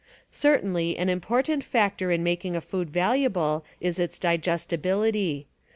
Certainly an important factor in making a food valuable is its digestibility.